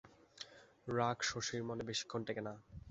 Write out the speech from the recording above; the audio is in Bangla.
রাগ শশীর মনে বেশিক্ষণ টেকে না।